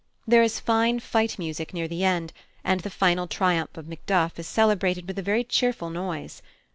There is fine fight music near the end, and the final triumph of Macduff is celebrated with a very cheerful noise.